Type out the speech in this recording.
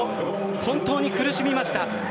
本当に苦しみました。